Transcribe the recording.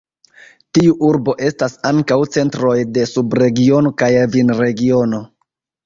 Tiu urbo estas ankaŭ centroj de subregiono kaj vinregiono.